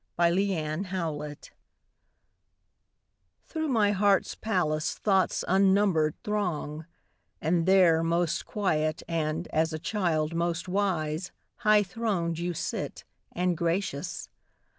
Day and Night Through my heart's palace Thoughts unnumbered throng; And there, most quiet and, as a child, most wise, High throned you sit, and gracious.